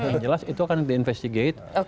yang jelas itu akan diinvestigate